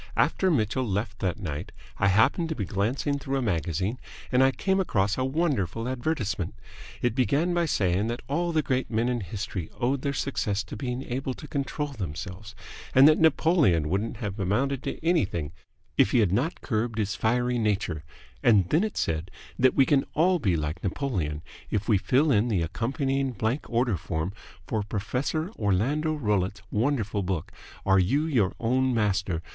"After Mitchell left that night I happened to be glancing through a magazine, and I came across a wonderful advertisement. It began by saying that all the great men in history owed their success to being able to control themselves, and that Napoleon wouldn't have amounted to anything if he had not curbed his fiery nature, and then it said that we can all be like Napoleon if we fill in the accompanying blank order form for Professor Orlando Rollitt's wonderful book, 'Are You Your Own Master?'